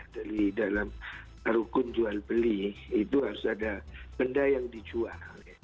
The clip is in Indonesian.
dari dalam rukun jual beli itu harus ada benda yang dijual